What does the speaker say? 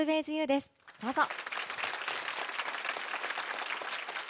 どうぞ。